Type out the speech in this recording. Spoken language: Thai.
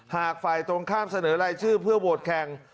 หากฝ่ายตรงข้ามเสนอรายชื่อเพื่อโหวตแข่ง